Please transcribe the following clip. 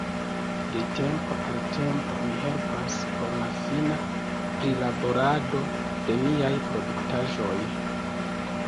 De tempo al tempo mi helpas por la fina prilaborado de niaj produktaĵoj.